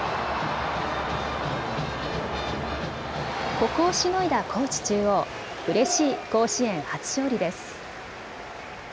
ここをしのいだ高知中央、うれしい甲子園初勝利です。